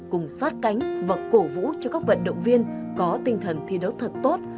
cùng sát cánh và cổ vũ cho các vận động viên có tinh thần thi đấu thật tốt